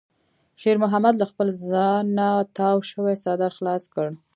شېرمحمد له خپل ځانه تاو شوی څادر خلاص کړ.